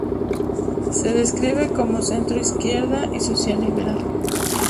Se describe como de centro-izquierda y social liberal.